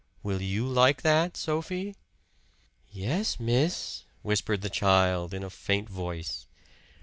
Will you like that, Sophie?" "Yes, Miss," whispered the child in a faint voice.